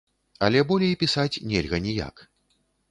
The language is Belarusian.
Але болей пісаць нельга ніяк.